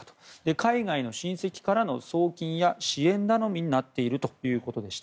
海外の親戚からの送金や支援頼みになっているということでした。